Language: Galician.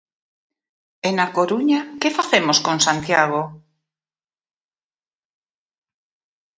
E na Coruña, que facemos con Santiago?